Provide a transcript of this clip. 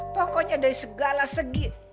pokoknya dari segala segi